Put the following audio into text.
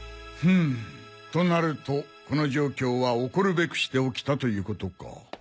フムとなるとこの状況は起こるべくして起きたということか。